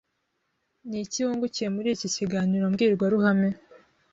Ni iki wungukiye muri iki kiganiro mbwirwaruhame